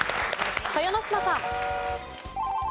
豊ノ島さん。